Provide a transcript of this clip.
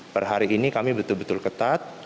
per hari ini kami betul betul ketat